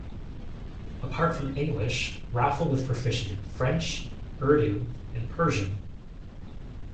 Apart from English, Raphel was proficient in French, Urdu and Persian.